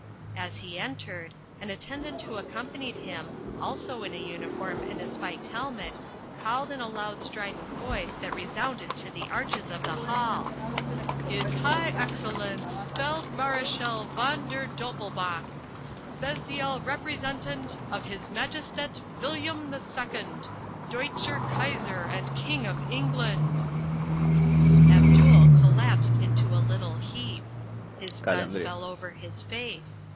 As he entered, an attendant who accompanied him, also in a uniform and a spiked helmet, called in a loud strident voice that resounded to the arches of the hall: "His High Excellenz Feld Marechal von der Doppelbauch, Spezial Representant of His Majestat William II, Deutscher Kaiser and King of England!" Abdul collapsed into a little heap. His fez fell over his face.